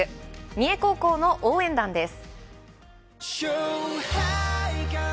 三重高校の応援団です。